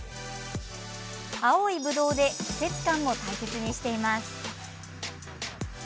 青いぶどうで季節感も大切にしています。